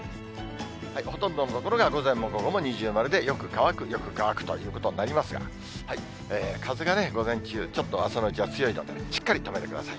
ほとんどの所が午前も午後も二重丸でよく乾く、よく乾くということになりますが、風が午前中、ちょっと朝のうちは強いのでね、しっかり留めてください。